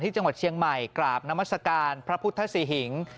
ที่จังหวัดเชียงใหม่กราบน้ำสการพระพุทธศิหิง